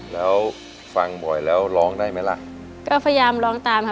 แล้วฟังบ่อยแล้วร้องได้ไหมล่ะก็พยายามร้องตามค่ะ